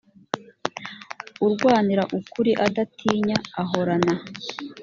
urwanirira ukuri adatinya ahorana